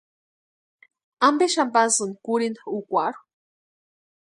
¿Ampe xani pasíni kurhinta úkwarhu?